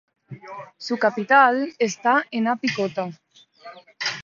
Su capital está en A Picota.